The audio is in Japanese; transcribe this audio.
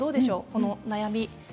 この悩み。